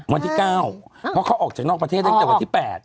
วันที่๙เพราะเขาออกจากนอกประเทศตั้งแต่วันที่๘